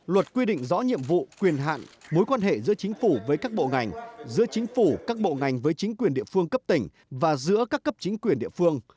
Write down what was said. luật quy định rõ nhiệm vụ quyền hạn mối quan hệ giữa chính phủ với các bộ ngành giữa chính phủ các bộ ngành với chính quyền địa phương cấp tỉnh và giữa các cấp chính quyền địa phương